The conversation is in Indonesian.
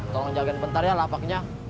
tolong jagain bentar ya lapaknya